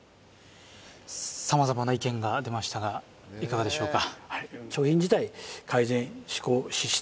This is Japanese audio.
様々な意見が出ましたがいかがでしょうか